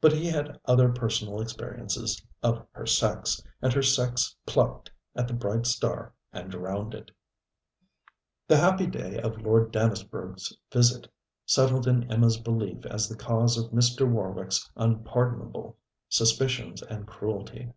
But he had other personal experiences of her sex, and her sex plucked at the bright star and drowned it. The happy day of Lord Dannisburgh's visit settled in Emma's belief as the cause of Mr. Warwick's unpardonable suspicions and cruelty.